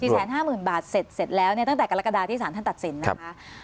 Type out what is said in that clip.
สี่แสนห้าหมื่นบาทเสร็จเสร็จแล้วเนี่ยตั้งแต่กรกฎาที่สารท่านตัดสินนะครับ